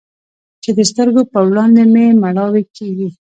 چې د سترګو په وړاندې مې مړواې کيږي.